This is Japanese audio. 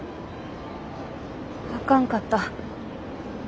あかんかった。